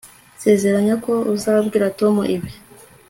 sezeranya ko uzabwira tom ibi